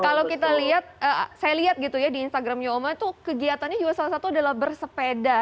kalau kita lihat saya lihat gitu ya di instagramnya oma tuh kegiatannya juga salah satu adalah bersepeda